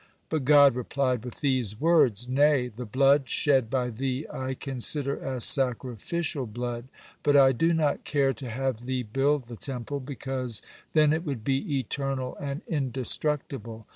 But God replied with these words: "Nay, the blood shed by thee I consider as sacrificial blood, but I do not care to have thee build the Temple, because then it would be eternal and indestructible."